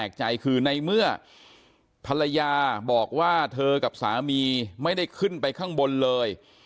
ในเมื่อภรรยาบอกว่าเธอกับสามีไม่ได้ขึ้นไปข้างบนเลย